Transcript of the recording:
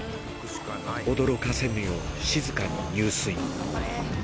驚かせぬよう、静かに入水。